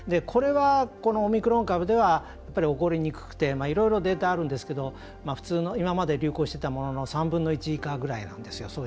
これは、このオミクロン株では起こりにくくていろいろデータあるんですけど普通の今まで流行していたものの３分の１以下ぐらいなんですよ。